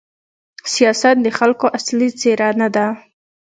سیاست د خلکو اصلي څېره نه ده.